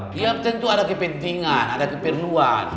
tiap tentu ada kepentingan ada keperluan